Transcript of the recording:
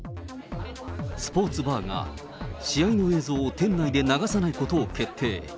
スポーツバーが試合の映像を店内で流さないことを決定。